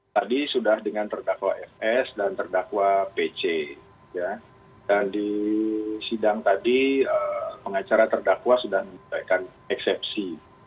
tadi sudah dengan terdakwa fs dan terdakwa pc dan di sidang tadi pengacara terdakwa sudah menyampaikan eksepsi